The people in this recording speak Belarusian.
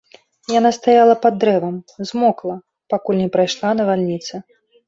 Яна стаяла пад дрэвам, змокла, пакуль не прайшла навальніца.